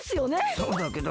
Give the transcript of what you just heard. そうだけど？